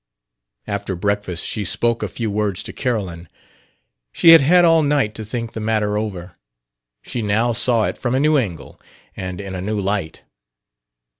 After breakfast she spoke a few words to Carolyn. She had had all night to think the matter over; she now saw it from a new angle and in a new light.